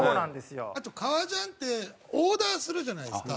あと革ジャンってオーダーするじゃないですか。